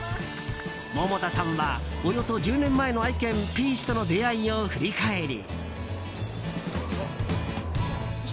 百田さんは、およそ１０年前の愛犬ピーチとの出会いを振り返り。